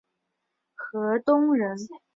河东人。